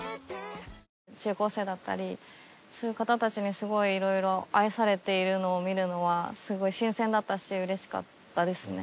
中高生だったりそういう方たちにすごいいろいろ愛されているのを見るのはすごい新鮮だったしうれしかったですね。